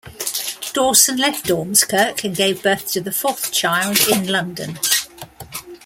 Dawson left Ormskirk and gave birth to the fourth child in London.